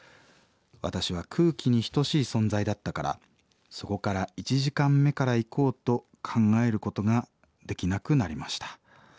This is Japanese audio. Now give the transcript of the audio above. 私は空気に等しい存在だったからそこから１時間目から行こうと考えることができなくなりました。